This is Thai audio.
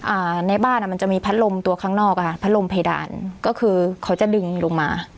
อ่าในบ้านอ่ะมันจะมีพัดลมตัวข้างนอกอ่ะค่ะพัดลมเพดานก็คือเขาจะดึงลงมา